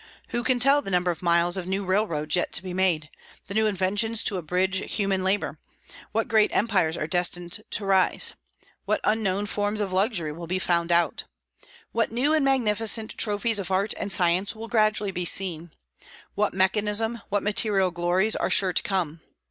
Who can tell the number of miles of new railroads yet to be made; the new inventions to abridge human labor; what great empires are destined to rise; what unknown forms of luxury will be found out; what new and magnificent trophies of art and science will gradually be seen; what mechanism, what material glories, are sure to come?